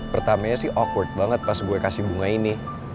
pertamanya sih awkward banget pas gue kasih bunga ini